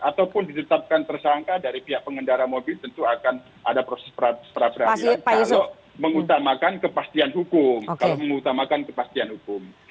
ataupun ditetapkan tersangka dari pihak pengendara mobil tentu akan ada proses peradilan kalau mengutamakan kepastian hukum